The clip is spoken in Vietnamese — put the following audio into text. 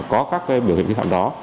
có các biểu hiện vi phạm đó